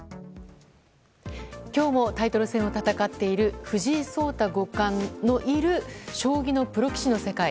今日もタイトル戦を戦っている藤井聡太五冠のいる将棋のプロ棋士の世界